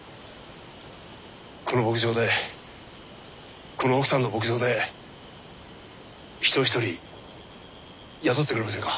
この牧場でこの奥さんの牧場で人を一人雇ってくれませんか？